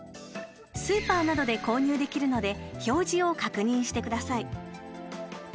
スーパーなどで購入できるので表示を確認してください。